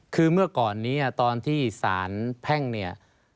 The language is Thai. คือเมื่อก่อนนี้ตอนที่สารแพ่งเนี่ย